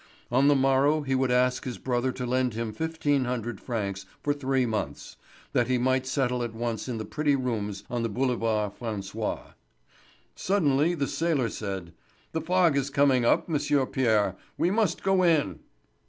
On the morrow he would ask his brother to lend him fifteen hundred francs for three months, that he might settle at once in the pretty rooms on the Boulevard François. Suddenly the sailor said: "The fog is coming up, M'sieu Pierre. We must go in."